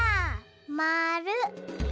まる。